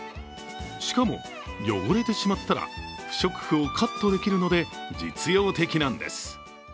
しかも、汚れてしまったら不織布をカットできるので実用的なんです。